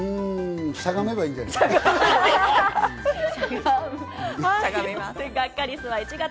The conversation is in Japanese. しゃがめばいいんじゃない？